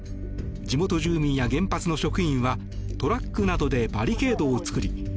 地元住民や原発の職員はトラックなどでバリケードを作り